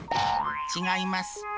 違います。